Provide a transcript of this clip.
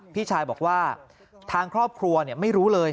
พี่ชายบอกว่าทางครอบครัวไม่รู้เลย